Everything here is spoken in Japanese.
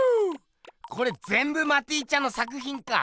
これぜんぶマティちゃんの作ひんか！